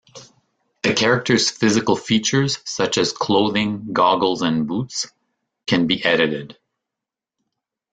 A character's physical features, such as clothing, goggles, and boots, can be edited.